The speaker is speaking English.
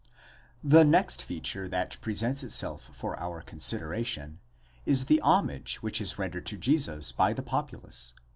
557 The next feature that presents itself for our consideration, is the homage which is rendered to Jesus by the populace.